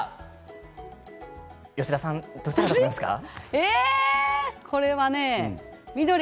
吉田さん、どちらだと思いますか。